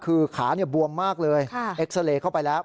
คือขาบวมมากเลยเอ็กซาเรย์เข้าไปแล้ว